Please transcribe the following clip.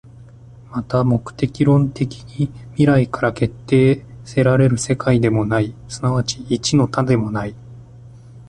また目的論的に未来から決定せられる世界でもない、即ち一の多でもない。